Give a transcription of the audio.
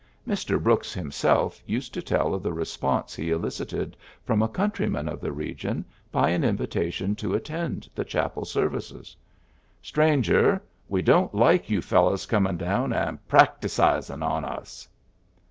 Mr. Brooks himself used to tell of the response he elicited from a countryman of the region by an invitation to attend the chapel services: ^^ Stranger^ we don't like you fellows comin' down and prac^mn' on us."